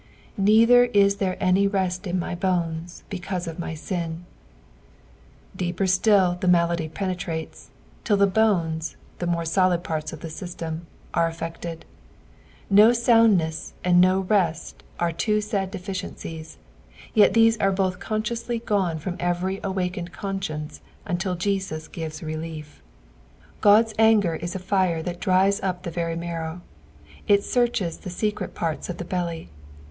"Neither u there any rent in my bonet hecaute of my «in." Deeper still the malady penetrates, till the bones, the more solid parts of the ajstem, are affected. No soundness and no rest are two aid deficiencies ; yet these are both consciously gone from every awakened conacience until Jesua givea relief. Ood's anger ia a fire that drins up the very marrow ; it searches the secret parts of the belly.